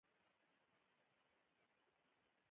زه خپله دېرش کلنه تجربه او زده کړه کاروم